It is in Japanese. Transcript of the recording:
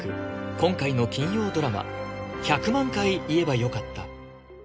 今回の金曜ドラマ「１００万回言えばよかった」